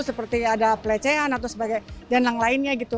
seperti ada pelecehan atau sebagainya dan yang lainnya gitu